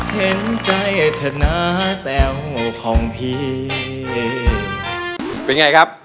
เป็นไงครับ